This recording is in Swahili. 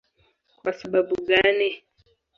Kwa sababu gani?